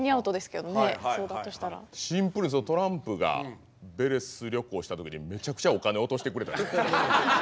シンプルですけどトランプがヴェレス旅行した時にめちゃくちゃお金を落としてくれた。